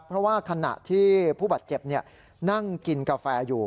เพราะว่าขณะที่ผู้บาดเจ็บนั่งกินกาแฟอยู่